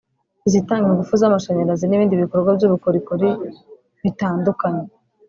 izitanga ingufu z’amashanyarazi n’ibindi bikorwa by’ubukorikori bitandukanye